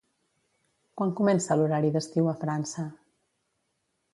Quan comença l'horari d'estiu a França?